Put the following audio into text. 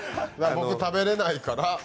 僕食べれないから。